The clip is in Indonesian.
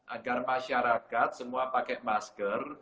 agar masyarakat semua pakai masker